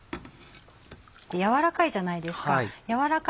柔らかいじゃないですか。